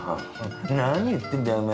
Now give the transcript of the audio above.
何言ってんだよお前。